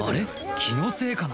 気のせいかな？